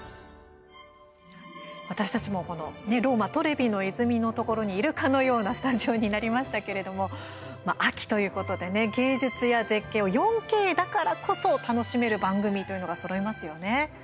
私たちも、ローマトレビの泉のところにいるかのようなスタジオになりましたけれども秋ということでね、芸術や絶景を４Ｋだからこそ楽しめる番組というのがそろいますよね。